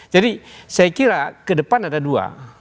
jadi saya kira ke depan ada dua